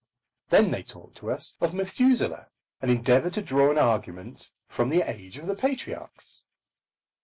Then they talked to us of Methuselah, and endeavoured to draw an argument from the age of the patriarchs.